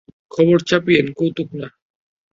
খবরই ছাপিয়েন, কৌতুক না।